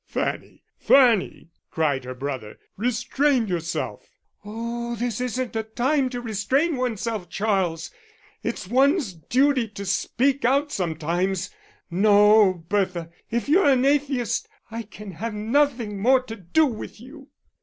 "Fanny, Fanny!" cried her brother, "restrain yourself." "Oh, this isn't a time to restrain one's self, Charles. It's one's duty to speak out sometimes. No, Bertha, if you're an atheist, I can have nothing more to do with you."